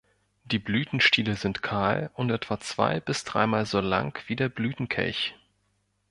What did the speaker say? Die Blütenstiele sind kahl und etwa zwei- bis dreimal so lang wie der Blütenkelch.